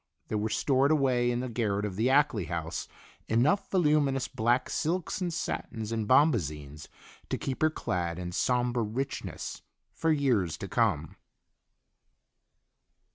There were stored away in the garret of the Ackley house enough voluminous black silks and satins and bombazines to keep her clad in somber richness for years to come.